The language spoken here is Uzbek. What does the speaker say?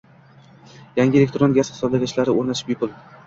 Yangi elektron gaz hisoblagichlarni o‘rnatish bepulng